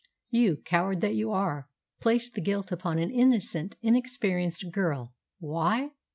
"You, coward that you are, placed the guilt upon an innocent, inexperienced girl. Why?